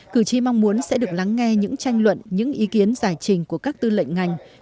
cử tri mong muốn sẽ được lắng nghe những tranh luận những ý kiến giải trình của các tư lệnh ngành